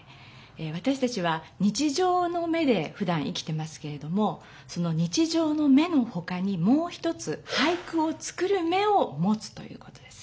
わたしたちは日じょうの目でふだん生きてますけれども日じょうの目のほかにもう一つ「俳句をつくる目をもつ」ということです。